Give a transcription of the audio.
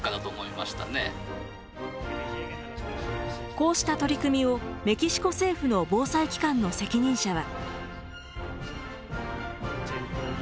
こうした取り組みをメキシコ政府の防災機関の責任者は。